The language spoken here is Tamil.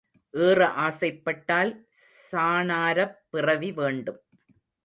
ஏற ஆசைப்பட்டால் சாணாரப் பிறவி வேண்டும்.